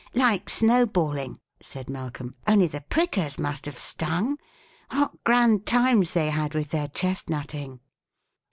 "Like snowballing," said Malcolm; "only the prickers must have stung. What grand times they had with their chestnuting!"